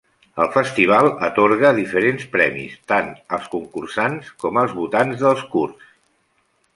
El festival atorga diferents premis tant als concursants com als votants dels curts.